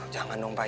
jangan dong pak